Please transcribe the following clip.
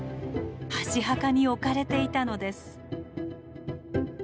箸墓に置かれていたのです。